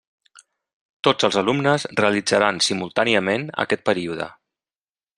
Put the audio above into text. Tots els alumnes realitzaran simultàniament aquest període.